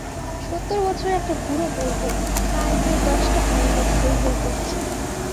সত্তর বছরের একটা বুড়ো মরবে, তাই নিয়ে দশটা গাঁয়ের লোক হৈ হৈ করছে।